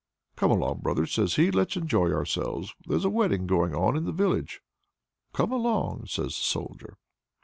"Come along, brother," says he, "let's enjoy ourselves. There's a wedding going on in the village." "Come along!" says the Soldier.